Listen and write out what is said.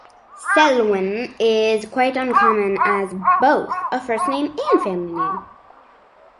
Selwyn is quite uncommon as both a first name and family name.